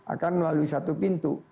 akan melalui satu pintu